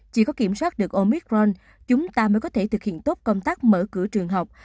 chỉ có kiểm soát được omicron chúng ta mới có thể thực hiện tốt công tác mở cửa trường học